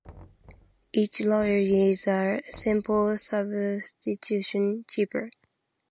Each rotor is a simple substitution cipher.